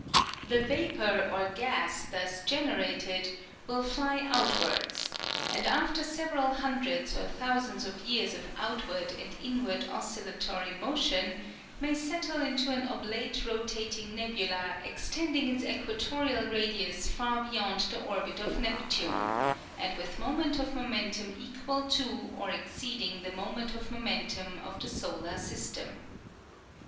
The vapor or gas thus generated will fly outwards, and after several hundreds or thousands of years of outward and inward oscillatory motion, may settle into an oblate rotating nebula extending its equatorial radius far beyond the orbit of Neptune, and with moment of momentum equal to or exceeding the moment of momentum of the solar system.